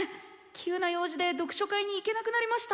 急な用事で読書会に行けなくなりました！」。